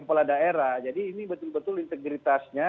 kepala daerah jadi ini betul betul integritasnya